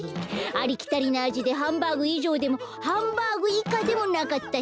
ありきたりなあじでハンバーグいじょうでもハンバーグいかでもなかった。